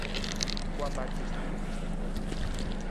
Quan va existir aquest autor?